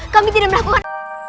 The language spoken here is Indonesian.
kami tidak melakukan